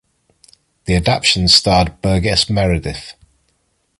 The adaptation starred Burgess Meredith.